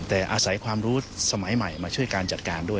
แต่อาศัยความรู้สมัยใหม่มาช่วยการจัดการด้วย